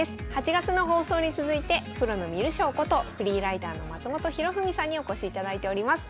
８月の放送に続いてプロの観る将ことフリーライターの松本博文さんにお越しいただいております。